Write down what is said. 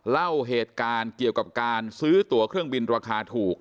เล่าเหตุการณ์เกี่ยวกับการซื้อตัวเครื่องบินราคาถูก